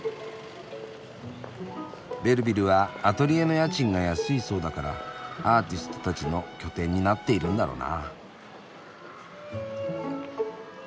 ベルヴィルはアトリエの家賃が安いそうだからアーティストたちの拠点になっているんだろうな。